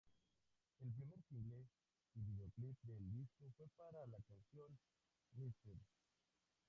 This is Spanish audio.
El primer single y videoclip del disco fue para la canción "Mrs.